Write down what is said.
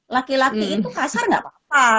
laki laki itu kasar gak apa apa